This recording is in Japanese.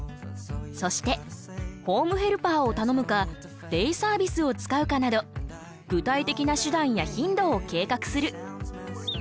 そしてホームヘルパーをたのむかデイサービスを使うかなど具体的な手段や頻度を計画する。